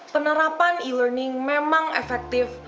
penerapan e learning memang efektif